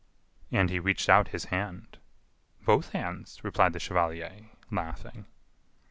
"And he reached out his hand." "Both hands," replied the chevalier, laughing.